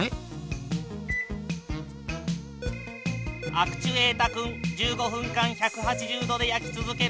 アクチュエータ君１５分間１８０度で焼き続けるぞ。